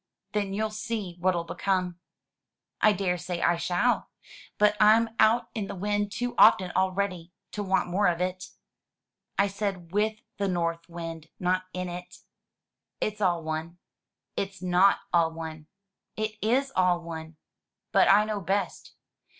Then you'll see what'll come." " I daresay I shall. But Tm out in the wind too often already to want more of it." "I said with the North Wind, not in it." "It's all one." "It's not all one." "It is all one." "But I know best."